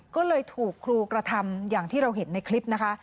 ก็เลยถูกครูกระทำอย่างที่เราเห็นในคลิปนะคะ